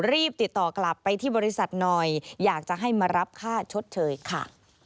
รีบติดต่อกลับไปที่บริษัทหน่อยอยากจะให้มารับค่าชดเชยค่ะ